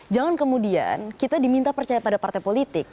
jangan kemudian kita diminta percaya pada partai politik